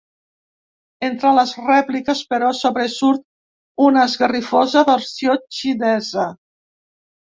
Entre les rèpliques, però, sobresurt una esgarrifosa versió xinesa.